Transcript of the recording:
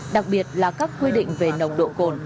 đặc biệt là các quy định về nồng độ cồn